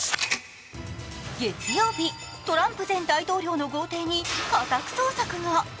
月曜日、トランプ前大統領の豪邸に家宅捜索が。